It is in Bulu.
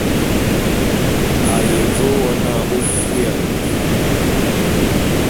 A ye ve wo n'a ô fôé abui.